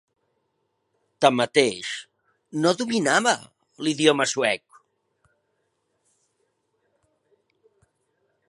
Tanmateix, no dominava l'idioma suec.